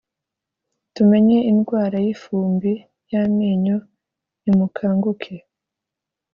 tumenye indwara y ifumbi y amenyo nimukanguke